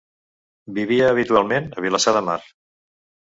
Vivia habitualment a Vilassar de Mar.